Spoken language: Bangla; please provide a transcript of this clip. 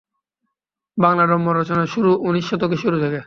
বাংলা রম্য রচনার শুরু উনিশ শতকের শুরু থেকে।